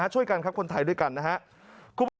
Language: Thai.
ช่วยกันครับคนไทยด้วยกันนะครับ